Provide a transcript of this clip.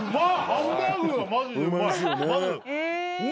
ハンバーグがマジでうまい。